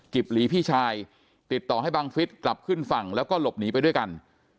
หลีพี่ชายติดต่อให้บังฟิศกลับขึ้นฝั่งแล้วก็หลบหนีไปด้วยกัน